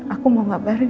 aku mau ngabarin